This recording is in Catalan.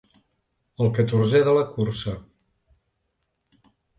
El catorzè de la cursa.